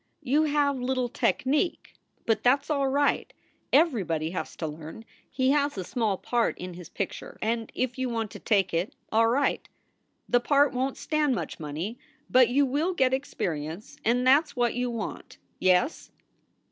You have little technic. But that s all right. Everybody has to learn. He has a small part in his picture, and if you want to take it, all right. The part won t stand much money, but you will get experience and that s what you want, yes?"